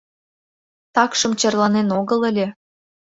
Такшым черланен огыл ыле.